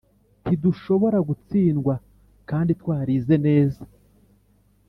Ntidushobora gutsindwa kandi twarize neza